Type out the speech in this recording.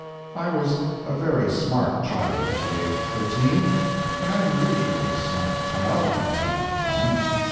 ] I was a very smart child at the age of thirteen—an unusually smart child, I thought at the time.